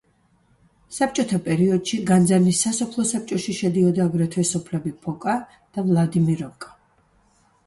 საბჭოთა პერიოდში განძანის სასოფლო საბჭოში შედიოდა აგრეთვე სოფლები ფოკა და ვლადიმიროვკა.